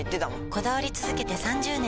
こだわり続けて３０年！